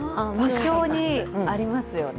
無性に、ありますよね。